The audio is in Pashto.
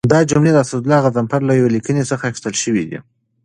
دا جملې د اسدالله غضنفر له یوې لیکنې څخه اخیستل شوي دي.